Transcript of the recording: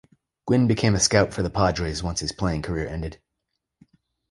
Gwynn became a scout for the Padres once his playing career ended.